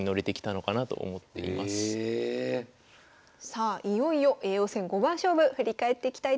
さあいよいよ叡王戦五番勝負振り返っていきたいと思います。